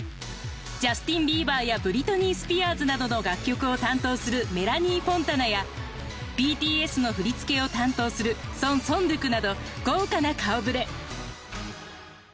ジャスティン・ビーバーやブリトニー・スピアーズなどの楽曲を担当するメラニー・フォンタナやＢＴＳの振り付けを担当するソン・ソンドゥクなど豪華な顔ぶれ。